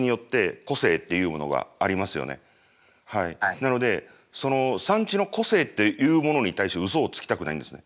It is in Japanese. なのでその産地の個性っていうものに対してうそをつきたくないんですね。